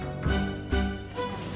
saya tidak berani cek